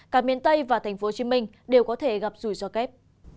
cả miền tây và thành phố hồ chí minh đều có thể gặp rủi ro kép